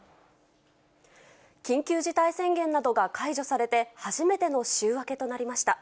緊急事態宣言などが解除されて初めての週明けとなりました。